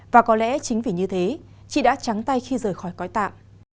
và có lẽ chính vì như thế chị đã trắng tay khi rời khỏi cõi tạng